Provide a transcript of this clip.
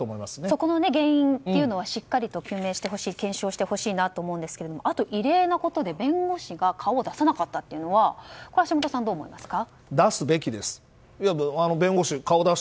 そこの原因はしっかりと究明してほしい検証してほしいなと思うんですがあと、異例なことで弁護士が顔を出さなかったというのは橋下さん、どう思いますか？